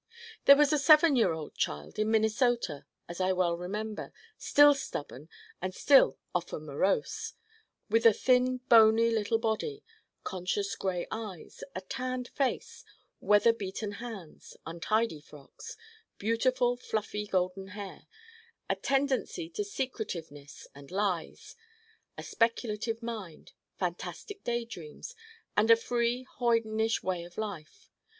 There was a seven year old child in Minnesota, as I well remember, still stubborn and still often morose, with a thin bony little body, conscious gray eyes, a tanned face, weather beaten hands, untidy frocks, beautiful fluffy golden hair, a tendency to secretiveness and lies, a speculative mind, fantastic day dreams and a free hoydenish way of life.